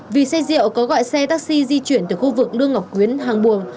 vì xe rượu có gọi xe taxi di chuyển từ khu vực lương ngọc quyến hàng buồm